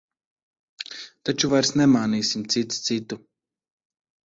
Taču vairs nemānīsim cits citu.